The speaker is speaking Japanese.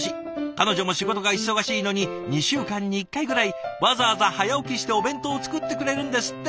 彼女も仕事が忙しいのに２週間に１回ぐらいわざわざ早起きしてお弁当を作ってくれるんですって。